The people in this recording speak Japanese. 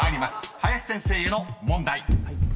林先生への問題］